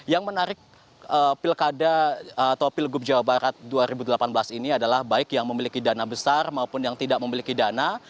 yang menarik pilkada atau pilgub jawa barat dua ribu delapan belas ini adalah baik yang memiliki dana besar maupun yang tidak memiliki dana